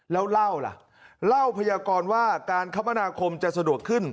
แล้วเล่าล่ะเล่าพยากรว่าการคมนาคมจะสะดวกขึ้น